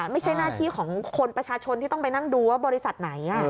ไม่ใช่หน้าที่ของคนประชาชนที่ต้องไปนั่งดูว่าบริษัทไหน